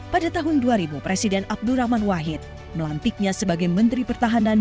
pada tahun dua ribu presiden abdurrahman wahid melantiknya sebagai menteri pertahanan